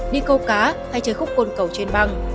đi câu cá hay chơi khúc côn cầu trên băng